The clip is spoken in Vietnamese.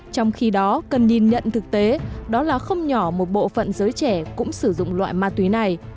trong khi đó cần nhìn nhận thực tế đó là không nhỏ một bộ phận giới trẻ cũng sử dụng loại ma túy này